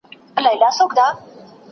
احمد پرون په بازار کي ډېر وخت تېر کړی.